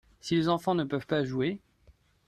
Si les enfants ne peuvent pas jouer.